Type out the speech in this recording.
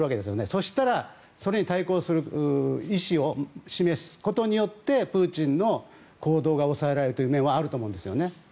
そしたら、それに対抗する意志を示すことによってプーチンの行動が抑えられる面はあると思います。